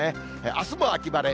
あすも秋晴れ。